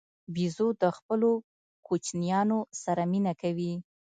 بیزو د خپلو کوچنیانو سره مینه کوي.